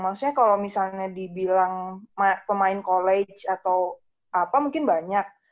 maksudnya kalau misalnya dibilang pemain college atau apa mungkin banyak